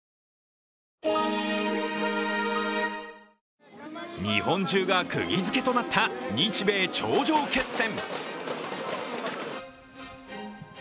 あ日本中がくぎづけとなった日米頂上決戦。